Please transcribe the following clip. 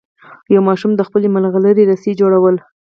یوه ماشوم د خپلې ملغلرې رسۍ جوړوله.